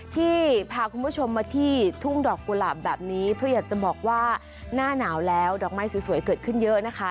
ที่พาคุณผู้ชมมาที่ทุ่งดอกกุหลาบแบบนี้เพราะอยากจะบอกว่าหน้าหนาวแล้วดอกไม้สวยเกิดขึ้นเยอะนะคะ